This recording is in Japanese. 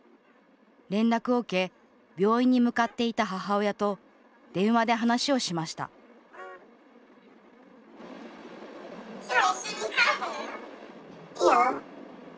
連絡を受け病院に向かっていた母親と電話で話をしました翌日。